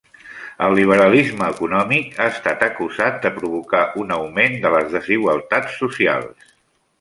El liberalisme econòmic ha estat acusat de provocar un augment de les desigualtats socials.